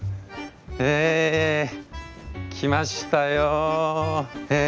え来ましたよ。